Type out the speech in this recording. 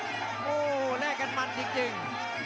โอ้โหแลกกันมันจริง